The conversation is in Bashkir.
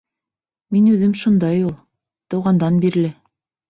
— Мин үҙем шундай ул. Тыуғандан бирле.